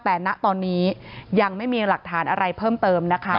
แต่ณตอนนี้ยังไม่มีหลักฐานอะไรเพิ่มเติมนะคะ